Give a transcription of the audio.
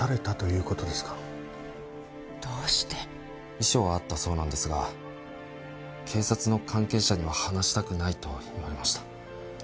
遺書はあったそうなんですが警察の関係者には話したくないと言われました。